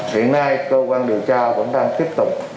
hiện nay cơ quan điều tra vẫn đang tiếp tục